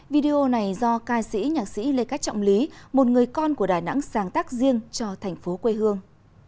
video này do ca sĩ nhạc sĩ lê cát trọng lý một người con của đà nẵng sáng tác riêng cho thành phố quê hương